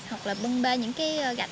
hoặc là bưng bê những cái gạch